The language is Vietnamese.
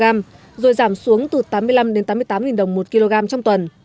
rồi giảm xuống từ tám mươi năm tám mươi tám đồng một kg trong tuần